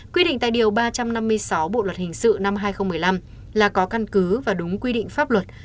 quy định tại điều ba trăm năm mươi sáu bộ luật hình sự năm hai nghìn một mươi năm là có căn cứ và đúng quy định pháp luật